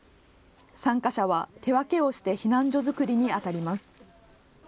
参加者は手分けをして避難所作りにあたります。